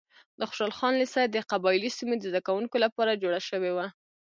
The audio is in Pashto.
د خوشحال خان لیسه د قبایلي سیمو د زده کوونکو لپاره جوړه شوې وه.